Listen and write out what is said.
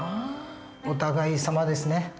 お互いさまですね。